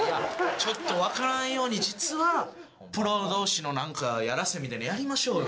ちょっと分からんように実は、プロどうしのなんか、やらせみたいなのやりましょうよ。